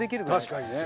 確かにね。